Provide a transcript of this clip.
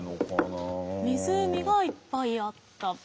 湖がいっぱいあった。